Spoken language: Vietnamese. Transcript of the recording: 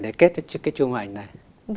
để kết cho cái chung ảnh này